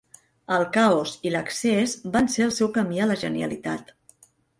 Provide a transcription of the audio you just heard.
El caos i l'excés van ser el seu camí a la genialitat.